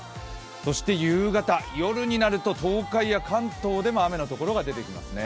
そして夕方、夜になると東海や関東でも雨のところが出てきますね。